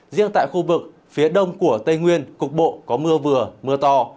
riêng tại khu vực phía đông của tây nguyên cục bộ có mưa vừa mưa to